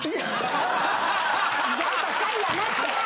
意外とシャイやなって。